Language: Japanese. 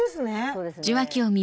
そうですね。